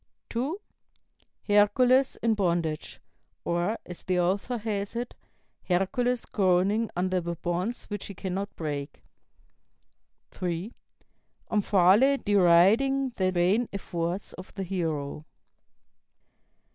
(2) Hercules in bondage; or, as the author has it, 'Hercules groaning under the bonds which he cannot break.' (3) Omphale deriding the vain efforts of the hero."